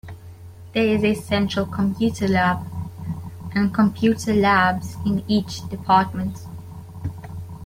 There is a central computer lab, and computer labs in each Departments.